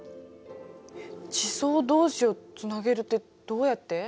地層同士をつなげるってどうやって？